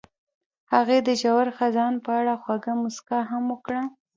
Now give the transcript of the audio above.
هغې د ژور خزان په اړه خوږه موسکا هم وکړه.